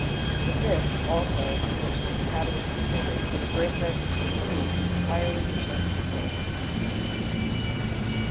The fish, also, on which the inhabitants depended, in a great measure, for food, entirely deserted the coast."